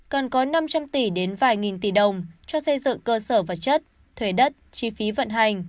cần có năm trăm linh tỷ đến vài nghìn tỷ đồng cho xây dựng cơ sở vật chất thuế đất chi phí vận hành